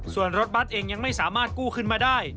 ส่วนรถบัตรเองยังไม่สามารถกู้ขึ้นมาได้